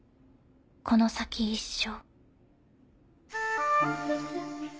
この先一生」。